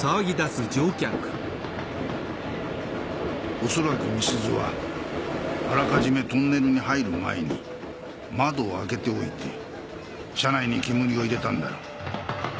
おそらく美鈴はあらかじめトンネルに入る前に窓を開けておいて車内に煙を入れたんだ。